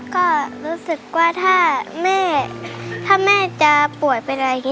ก็รู้สึกว่าถ้าแม่ถ้าแม่จะป่วยเป็นอะไรอย่างนี้